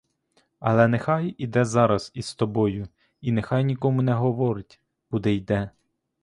Але нехай іде зараз із тобою і нехай нікому не говорить, куди йде!